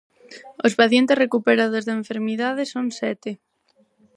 Os pacientes recuperados da enfermidade son sete.